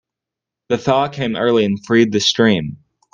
The thaw came early and freed the stream.